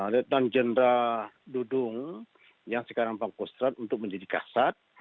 lieutenant general dudung yang sekarang pangkostrat untuk menjadi kasat